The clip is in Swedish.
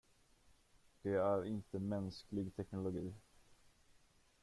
Det är inte mänsklig teknologi.